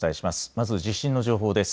まず地震の情報です。